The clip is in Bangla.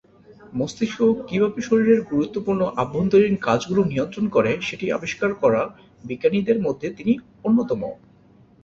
মস্তিষ্ক কিভাবে শরীরের গুরুত্বপূর্ণ আভ্যন্তরীণ কাজগুলি নিয়ন্ত্রণ করে সেটি আবিষ্কার করা বিজ্ঞানীদের মধ্যে তিনি অন্যতম।